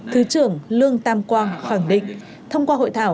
thứ trưởng lương tam quang khẳng định